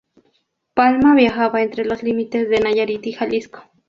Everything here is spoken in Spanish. Palma viajaba entre los límites de Nayarit y Jalisco.